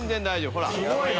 ほら。